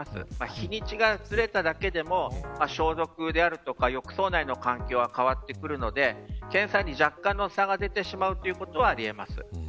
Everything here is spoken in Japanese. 日にちがずれただけでも消毒であるとか浴槽内の環境が変わってくるので検査に若干の差が出てしまうことはあり得ます。